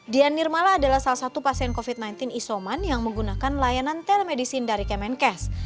dian nirmala adalah salah satu pasien covid sembilan belas isoman yang menggunakan layanan telemedicine dari kemenkes